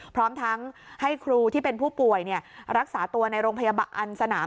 พร้อมทั้งให้ครูที่เป็นผู้ป่วยรักษาตัวในโรงพยาบาลอันสนาม